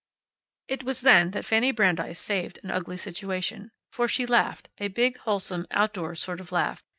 It was then that Fanny Brandeis saved an ugly situation. For she laughed, a big, wholesome, outdoors sort of laugh.